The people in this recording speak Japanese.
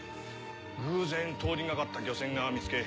偶然通りがかった漁船が見つけ